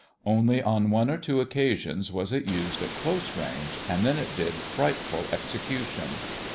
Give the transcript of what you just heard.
Only on one or two occasions was it used at close range, and then it did frightful execution.